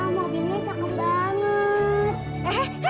mobilnya cakep banget